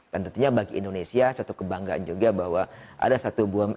dan tentunya bagi indonesia satu kebanggaan juga bahwa ada satu buah